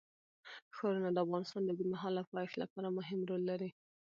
ښارونه د افغانستان د اوږدمهاله پایښت لپاره مهم رول لري.